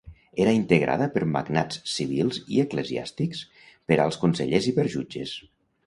Era integrada per magnats civils i eclesiàstics, per alts consellers i per jutges.